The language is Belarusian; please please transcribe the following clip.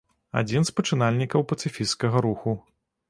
Адзін з пачынальнікаў пацыфісцкага руху.